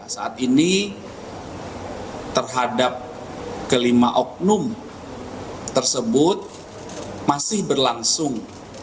saat ini terhadap kelima oknum tersebut masih berlangsung